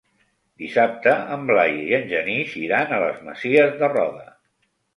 Dissabte en Blai i en Genís iran a les Masies de Roda.